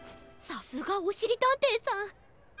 さすがおしりたんていさん。